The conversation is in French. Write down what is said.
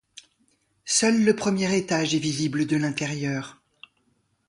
Seul le premier étage est visible de l’intérieur.